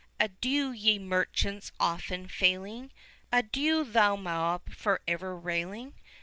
Adieu, ye merchants often failing! Adieu, thou mob for ever railing!